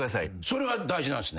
それが大事なんすね。